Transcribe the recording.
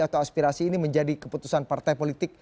atau aspirasi ini menjadi keputusan partai politik